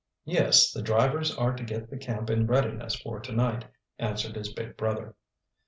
"Yes, the drivers are to get the camp in readiness for to night," answered his big brother.